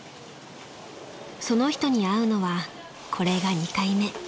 ［その人に会うのはこれが２回目］